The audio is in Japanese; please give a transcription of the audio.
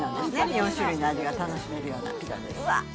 ４種類の味が楽しめるようなピザです。